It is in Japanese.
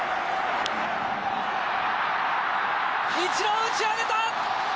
イチロー、打ち上げた。